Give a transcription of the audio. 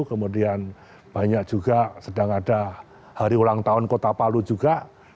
kemudian banyak juga sedang ada hari ulang tahun kota palu juga